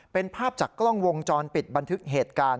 เป็นภาพจากกล้องวงจรปิดบันทึกเหตุการณ์